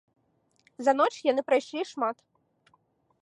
За ноч яны прайшлі шмат.